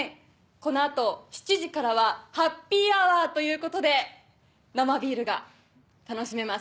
この後７時からはハッピーアワーということで生ビールが楽しめます。